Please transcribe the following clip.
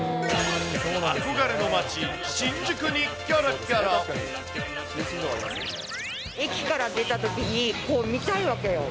憧れの街、新宿にキョロキョ駅から出たときに、こう、見たいわけよ。